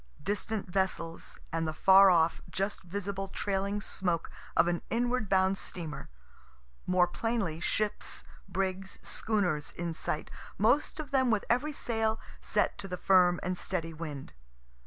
Distant vessels, and the far off, just visible trailing smoke of an inward bound steamer; more plainly, ships, brigs, schooners, in sight, most of them with every sail set to the firm and steady wind.